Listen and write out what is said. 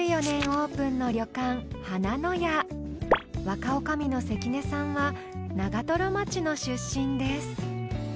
オープンの旅館若女将の関根さんは長町の出身です